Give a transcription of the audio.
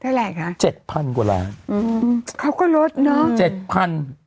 เท่าไหร่คะ๗๐๐๐กว้าร้านอืมเขาก็ลดเนอะ